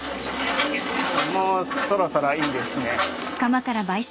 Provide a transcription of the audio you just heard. もうそろそろいいですね。